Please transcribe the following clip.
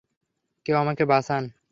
কেউ আমাকে বাঁচান!